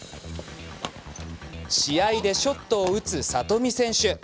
試合でショットを打つ里見選手。